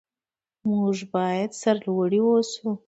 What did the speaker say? موږ باید سرلوړي اوسو.